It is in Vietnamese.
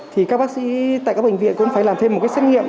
thì các bác sĩ tại các bệnh viện cũng phải làm thêm một cái xét nghiệm